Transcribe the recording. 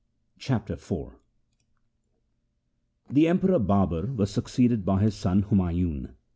Chapter IV The Emperor Babar was succeeded by his son Humayun.